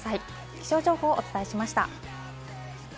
気象情報をお伝えしました。